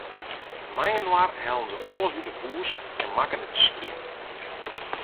Mei-inoar hellen se alles út it hûs en makken it skjin.